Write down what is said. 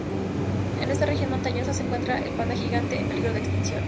En esta región montañosa se encuentra el panda gigante, en peligro de extinción.